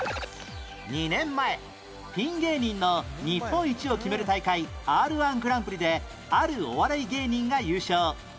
２年前ピン芸人の日本一を決める大会 Ｒ−１ グランプリであるお笑い芸人が優勝